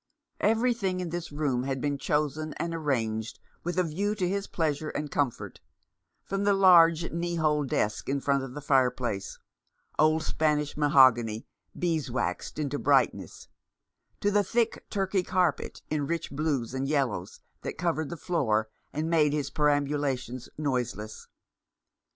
Everything in this room had been chosen and arranged with a view to his pleasure and comfort : from the large knee hole desk in front of the fireplace — old Spanish mahogany, beeswaxed into brightness — to the thick Turkey carpet in rich blues and yellows, that covered the floor and made his perambulations noiseless.